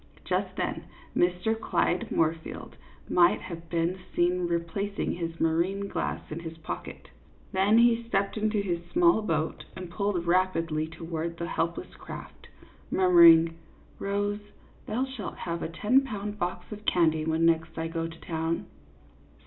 Just then Mr. Clyde Moorfield might have been seen replacing his marine glass in his pocket. Then he stepped into his small boat and pulled rapidly 46 CLYDE MOORFIELD, YACHTSMAN. towards the helpless craft, murmuring, " Rose, thou shalt have a ten pound box of candy when next I go to town."